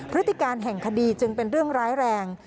พฤติการแห่งคดีจึงเป็นเรื่องร้ายแรง